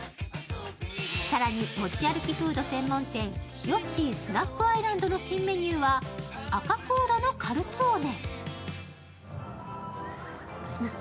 更に、持ち歩きフード専門店ヨッシー・スナック・アイランドの新メニューは赤こうらのカルツォーネ。